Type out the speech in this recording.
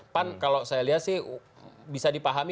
pan kalau saya lihat sih bisa dipahami